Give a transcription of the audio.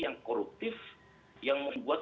yang koruptif yang membuat